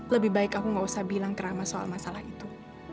lebih baik aku gak usah bilang kerama soal masalah itu